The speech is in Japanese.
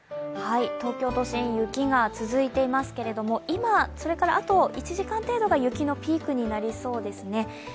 東京都心、雪が続いていますけど今、それからあと１時間程度が雪のピークとなりそうですね。